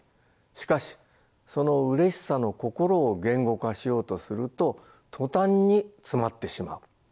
しかしそのうれしさの心を言語化しようとすると途端に詰まってしまう。